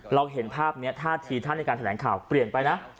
เราเห็นภาพนี้ท่าทีท่านในการแถลงข่าวเปลี่ยนไปนะ